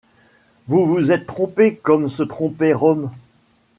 Vous vous êtes trompés comme se trompait Rome.